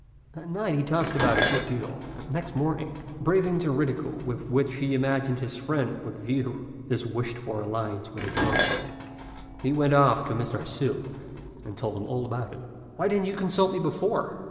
That night he tossed about a good deal; and next morning, braving the ridicule with which he imagined his friend would view his wished for alliance with a boat girl, he went off to Mr. Hsü, and told him all about it. "Why didn't you consult me before?"